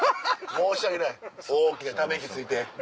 申し訳ない大きなため息ついて。